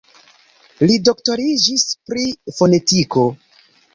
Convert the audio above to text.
Li doktoriĝis pri fonetiko.